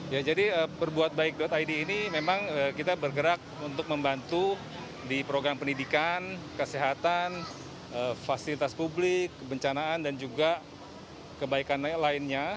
ya jadi perbuatbaik id ini memang kita bergerak untuk membantu di program pendidikan kesehatan fasilitas publik kebencanaan dan juga kebaikan lainnya